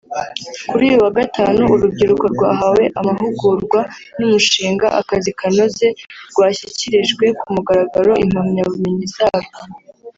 Kuri uyu wa gatanu urubyiruko rwahawe amahugurwa n'umushinga 'Akazi Kanoze' rwashyikirijwe ku mugaragaro impamyabumenyi zarwo